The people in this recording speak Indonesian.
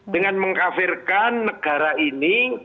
dengan mengkafirkan negara ini